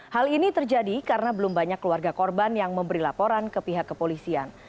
hal ini terjadi karena belum banyak keluarga korban yang memberi laporan ke pihak kepolisian